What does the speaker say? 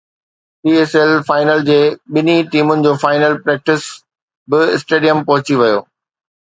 P S L final جي ٻنهي ٽيمن جو فائنل پريڪٽس به اسٽيڊيم پهچي ويو